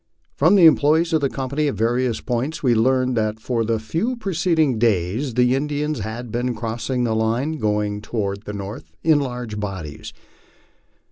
From the employes of the company at various points we learned that for the few preceding days the Indians had been crossing the line, going toward the north in large bodies.